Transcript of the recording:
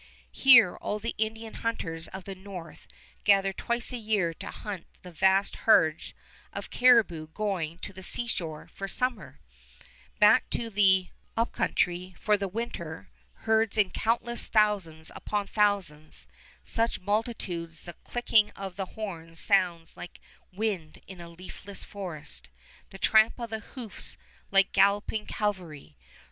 Here all the Indian hunters of the north gather twice a year to hunt the vast herds of caribou going to the seashore for summer, back to the Up Country for the winter, herds in countless thousands upon thousands, such multitudes the clicking of the horns sounds like wind in a leafless forest, the tramp of the hoofs like galloping cavalry.